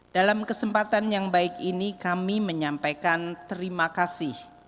dalam kesempatan yang baik ini kami menyampaikan terima kasih